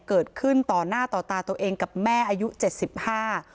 เกิดขึ้นต่อหน้าต่อตาตัวเองกับแม่อายุเจ็ดสิบห้า